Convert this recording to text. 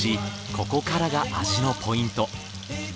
ここからが味のポイント。